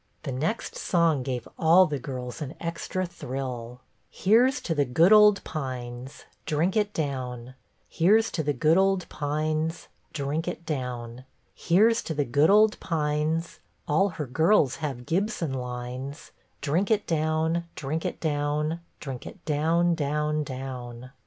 The next song gave all the girls an extra thrill. "' Here 's to the good old Pines, Drink it down ; Here 's to the good old Pines, Drink it down ; Here to the good old Pines, All her girls have Gibson lines, Drink it down, Drink it down, Drink it down, down, down.